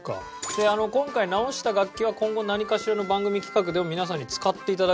で今回直した楽器は今後何かしらの番組企画でも皆さんに使って頂く。